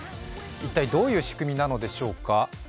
一体どういう仕組みなのでしょうか。